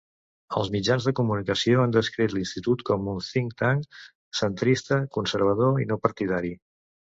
Els mitjans de comunicació han descrit l'Institut com un think tank centrista, conservador i no partidari.